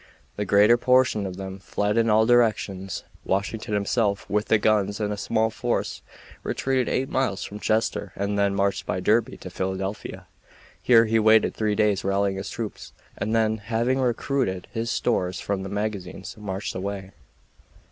The greater portion of them fled in all directions. Washington himself, with his guns and a small force, retreated eight miles from Chester and then marched by Derby to Philadelphia. Here he waited three days rallying his troops, and then, having recruited his stores from the magazines, marched away.